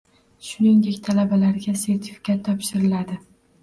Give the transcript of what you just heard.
Shuningdek, talabalarga sertifikat topshiriladi